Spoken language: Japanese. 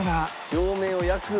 両面を焼く。